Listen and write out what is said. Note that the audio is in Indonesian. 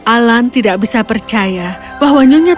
alan tidak bisa percaya bahwa nyonya tua itu adalah alih alih gubu kecil itu